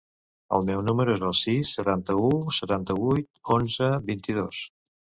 El meu número es el sis, setanta-u, setanta-vuit, onze, vint-i-dos.